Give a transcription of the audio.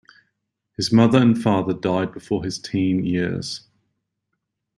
His mother and father died before his teen years.